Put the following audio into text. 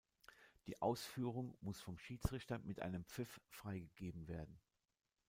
Die Ausführung muss vom Schiedsrichter mit einem Pfiff freigegeben werden.